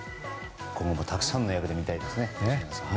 今後たくさんの役で見たいです。